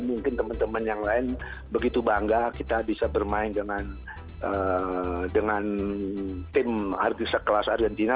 mungkin teman teman yang lain begitu bangga kita bisa bermain dengan tim argenti sekelas argentina